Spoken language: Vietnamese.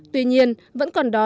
tuy nhiên vẫn còn đó